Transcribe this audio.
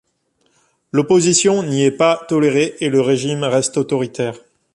L'opposition n'y est pas tolérée et le régime reste autoritaire.